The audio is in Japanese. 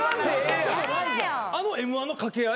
あのＭ−１の掛け合い